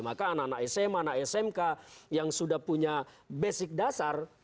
maka anak anak sma anak smk yang sudah punya basic dasar